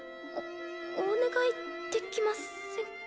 おお願いできませんか？